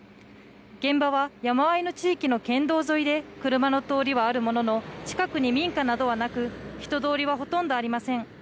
現場は山あいの地域の県道沿いで車の通りはあるものの近くに民家などはなく人通りはほとんどありません。